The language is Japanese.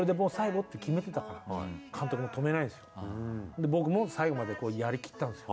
で僕も最後までやりきったんですよ。